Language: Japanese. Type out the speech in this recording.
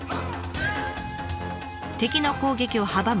敵の攻撃を阻む急斜面。